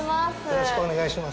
よろしくお願いします。